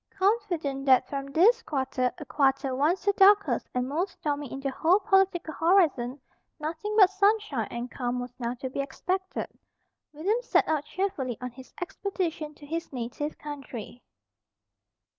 Confident that from this quarter, a quarter once the darkest and most stormy in the whole political horizon, nothing but sunshine and calm was now to be expected, William set out cheerfully on his expedition to his native country.